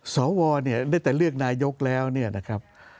สวเนี่ยนี่แต่เลือกนายกรัฐแล้วนะครับ